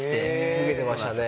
受けてましたね。